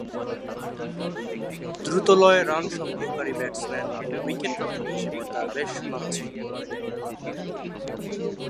দ্রুতলয়ে run সংগ্রহকারী batsman ও উইকেট-রক্ষক হিসেবে তার বেশ সুনাম ছিল।